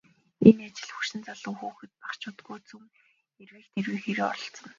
Энэ ажилд хөгшин залуу, хүүхэд багачуудгүй цөм эрвийх дэрвийхээрээ оролцоно.